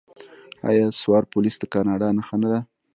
آیا سوار پولیس د کاناډا نښه نه ده؟